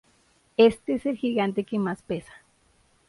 Este es el gigante que más pesa.